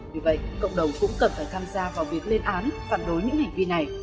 vì vậy cộng đồng cũng cần phải tham gia vào việc lên án phản đối những hành vi này